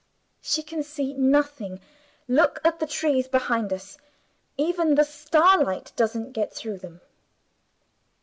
"She can see nothing. Look at the trees behind us. Even the starlight doesn't get through them."